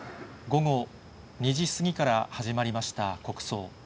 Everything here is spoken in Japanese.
午後２時過ぎから始まりました国葬。